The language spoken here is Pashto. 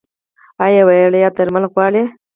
ایا وړیا درمل غواړئ؟